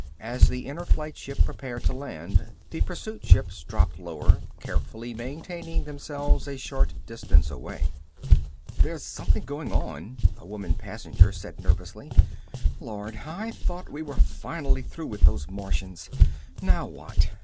As the Inner Flight ship prepared to land the pursuit ships dropped lower, carefully maintaining themselves a short distance away. "There's something going on," a woman passenger said nervously. "Lord, I thought we were finally through with those Martians. Now what?"